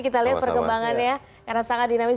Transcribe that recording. kita lihat perkembangannya karena sangat dinamis